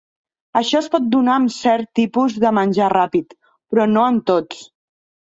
Això es pot donar amb certs tipus de menjar ràpid, però no en tots.